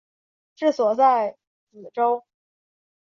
治所在梓州。